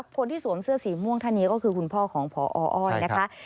คนที่สวมเสื้อสีม่วงท่านนี้ก็คือคุณพ่อของพออ้อยนะคะ